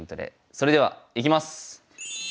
それではいきます。